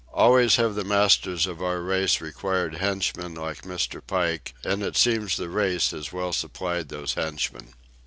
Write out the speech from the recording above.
Always have the masters of our race required henchmen like Mr. Pike, and it seems the race has well supplied those henchmen.